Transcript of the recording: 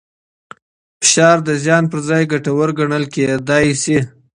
فشار د زیان پر ځای ګټور ګڼل کېدای شي.